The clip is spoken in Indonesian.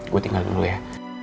gue tinggal dulu ya